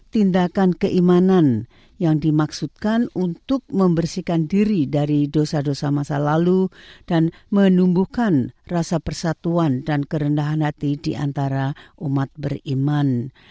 tindakan keimanan yang dimaksudkan untuk membersihkan diri dari dosa dosa masa lalu dan menumbuhkan rasa persatuan dan kerendahan hati diantara umat beriman